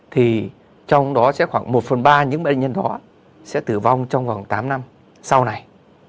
thì trong đó sẽ khoảng một phần ba những bệnh nhân đó sẽ tử vong trong vòng tám năm sau này